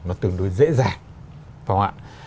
nó tương đối dễ dàng phải không ạ